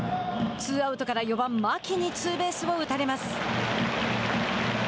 ツーアウトから４番、牧にツーベースを打たれます。